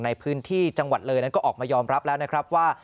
ในพื้นที่จังหวัดเลยนั้นก็ออกมายอมรับแล้วนะครับว่า